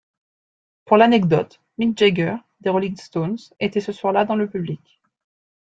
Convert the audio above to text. Pour l'anecdote, Mick Jagger des Rolling Stones était ce soir là dans le public.